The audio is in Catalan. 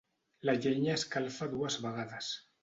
La llenya escalfa dues vegades.